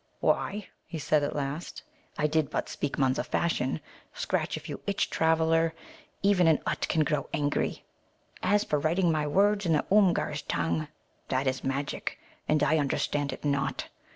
"Why," he said at last, "I did but speak Munza fashion. Scratch if you itch, traveller. Even an Utt can grow angry. As for writing my words in the Oomgar's tongue, that is magic, and I understand it not.